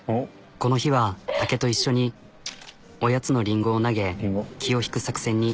この日は竹と一緒におやつのリンゴを投げ気を引く作戦に。